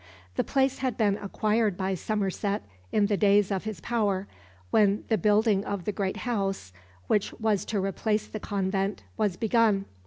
The place had been acquired by Somerset in the days of his power, when the building of the great house, which was to replace the convent, was begun.